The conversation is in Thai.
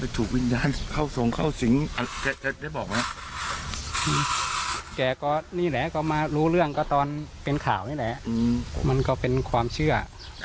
แกก็นี่แหละก็มารู้เรื่องก็ตอนเป็นข่าวนี่แหละมันก็เป็นความเชื่อ